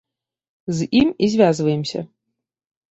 З ім і звязваемся.